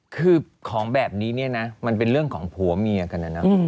คือของแบบนี้เนี่ยนะมันเป็นเรื่องของผัวเมียกันนะนะ